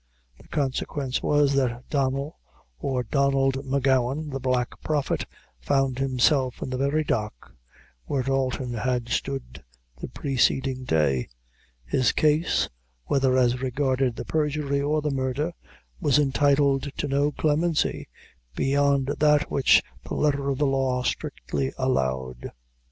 The consequence was, that Donnel, or Donald M'Gowan, the Black Prophet, found himself in the very dock where Dalton had stood the preceding day. His case, whether as regarded the perjury or the murder, was entitled to no clemency, beyond that which the letter of the law strictly allowed.